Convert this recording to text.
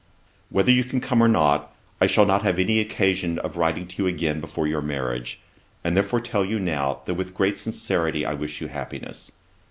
Whether you can come or not, I shall not have any occasion of writing to you again before your marriage, and therefore tell you now, that with great sincerity I wish you happiness.